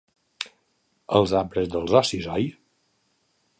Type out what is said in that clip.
Els arbres dels ocis, oi?